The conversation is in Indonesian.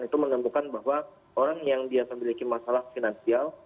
itu menemukan bahwa orang yang dia memiliki masalah finansial